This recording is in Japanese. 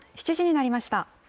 ７時になりました。